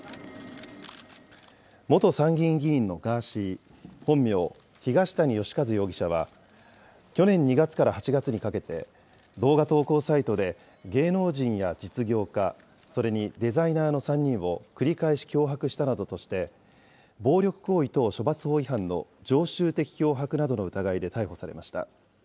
元参議院議員のガーシー、本名・東谷義和容疑者は、去年２月から８月にかけて、動画投稿サイトで、芸能人や実業家、それにデザイナーの３人を繰り返し脅迫したなどとして、暴力行為等処罰法違反の常習的脅迫などの疑いで逮捕されました。